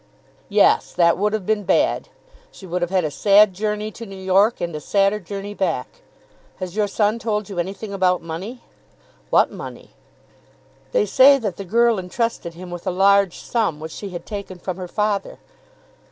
"Yes; that would have been bad. She would have had a sad journey to New York, and a sadder journey back. Has your son told you anything about money?" "What money?" "They say that the girl entrusted him with a large sum which she had taken from her father.